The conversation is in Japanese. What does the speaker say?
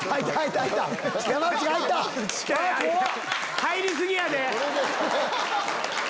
入り過ぎやで！